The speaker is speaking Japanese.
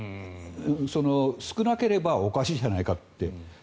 少なければおかしいじゃないかって。